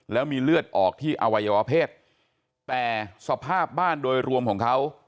แล้วมีเลือดออกที่อวัยวเพศแต่สภาพบ้านโดยรวมของเขา